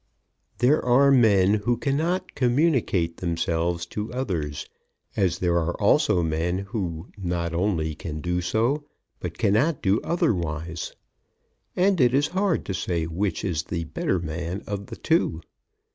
There are men who cannot communicate themselves to others, as there are also men who not only can do so, but cannot do otherwise. And it is hard to say which is the better man of the two.